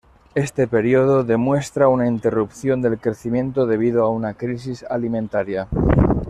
Este periodo demuestra una interrupción del crecimiento debido a una crisis alimentaria.